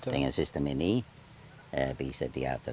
dengan sistem ini bisa diatur